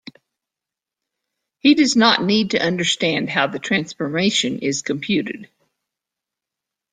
He does not need to understand how the transformation is computed.